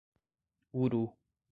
Uru